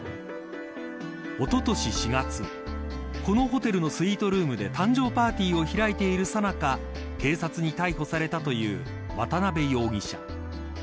おととし４月このホテルのスイートルームで誕生パーティーを開いているさなか警察に逮捕されたという渡辺容疑者。